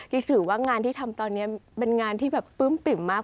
ถือว่างานที่ทำตอนนี้เป็นงานที่แบบปื้มปิ่มมาก